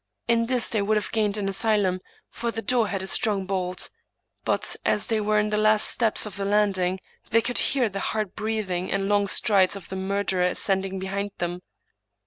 In this they would have gained an asylum, for the door had a strong bolt. But, as they were on the last steps of the landing, they could hear the hard breathing and long strides of the murderer ascending behind them.